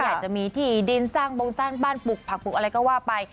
อยากจะมีที่ดินสร้างบงสร้างบ้านปลูกผักปลูกอะไรก็ว่าไป